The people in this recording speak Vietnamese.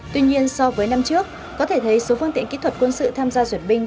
tuy nhiên so với năm trước có thể thấy số phương tiện kỹ thuật quân sự tham gia duyệt binh